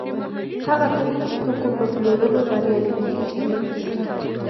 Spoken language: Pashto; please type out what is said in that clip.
هغه څوک چې د توکو په پلورلو بریالي کېږي شتمن کېږي